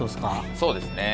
そうですね。